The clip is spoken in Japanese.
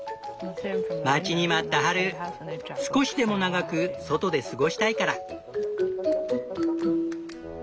待ちに待った春少しでも長く外で過ごしたいから。